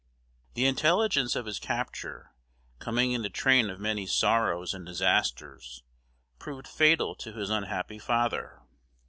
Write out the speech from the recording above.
The intelligence of his capture, coming in the train of many sorrows and disasters, proved fatal to his unhappy father.